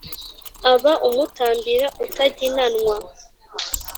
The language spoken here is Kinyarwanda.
aba umutambira utaginanwa.